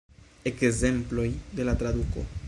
Ekzemploj de la traduko.